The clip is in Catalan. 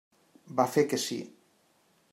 Va fer que sí.